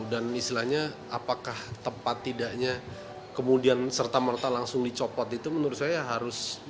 dan istilahnya apakah tempat tidaknya kemudian serta merta langsung dicopot itu menurut saya harus